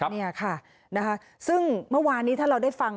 นี่ค่ะนะคะซึ่งเมื่อวานนี้ถ้าเราได้ฟัง